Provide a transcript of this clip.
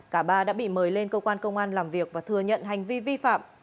cả ba đã bị mời lên cơ quan công an làm việc và thừa nhận hành vi vi phạm